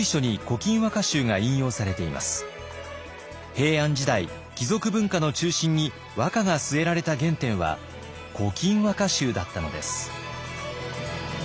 平安時代貴族文化の中心に和歌が据えられた原点は「古今和歌集」だったのです。